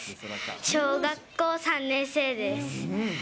小学校３年生です。